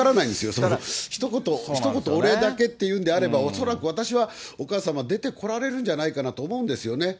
そのひと言お礼だけっていうんであれば、恐らく私は、お母様は出てこられるんじゃないかなと思うんですよね。